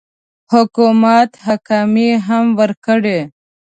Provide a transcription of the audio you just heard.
حکومت اقامې هم ورکړي.